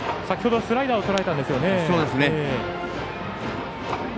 先ほどスライダーを打たれたんですよね。